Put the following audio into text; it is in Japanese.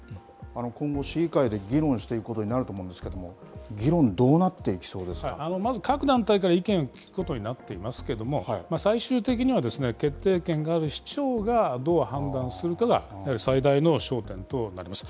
今後、市議会で議論していくことになると思うんですけど、議論、どうなまず各団体から意見を聞くことになっていますけれども、最終的には、決定権がある市長がどう判断するかが、やはり最大の焦点となります。